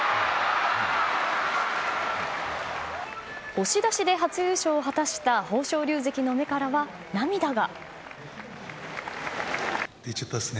押し出しで初優勝を果たした豊昇龍関の目からは涙が。